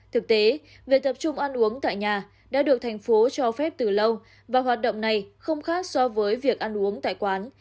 thực tế việc tập trung ăn uống tại nhà đã được thành phố cho phép từ lâu và hoạt động này không khác so với việc ăn uống tại quán